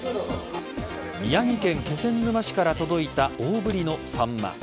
宮城県気仙沼市から届いた大振りのサンマ。